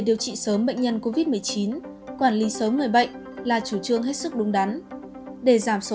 điều trị sớm bệnh nhân covid một mươi chín quản lý sớm người bệnh là chủ trương hết sức đúng đắn để giảm số